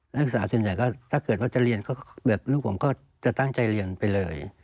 นักศึกษาส่วนใหญ่ก็ถ้าเกิดว่าจะเรียนก็แบบลูกผมก็จะตั้งใจเรียนไปเลย